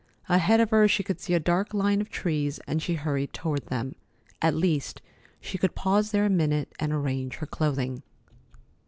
Ahead of her, she could see a dark line of trees, and she hurried toward them. At least, she could pause there a minute and arrange her clothing.